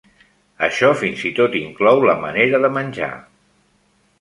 Això fins i tot inclou la manera de menjar.